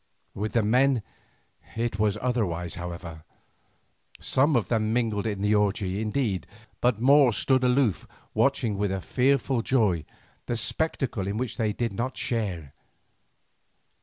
With the men it was otherwise, however. Some of them mingled in the orgie indeed, but more stood aloof watching with a fearful joy the spectacle in which they did not share.